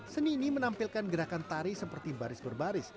seni ini menampilkan gerakan tari seperti baris berbaris